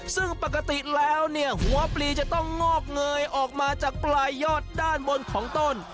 ซึ่งปกติแล้วเนี่ยหัวปลีจะต้องงอกเงยออกมาจากปลายยอดด้านบนของต้น